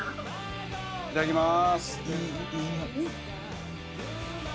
いただきまーす。